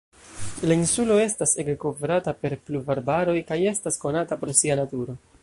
La insulo estas ege kovrata per pluvarbaroj kaj estas konata pro sia naturo.